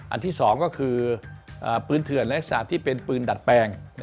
อันที่๒ก็คือปืนเถื่อนลักษณะที่เป็นปืนดัดแปลง